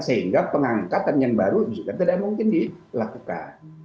sehingga pengangkatan yang baru juga tidak mungkin dilakukan